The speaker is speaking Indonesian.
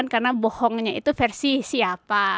karena bohongnya itu versi siapa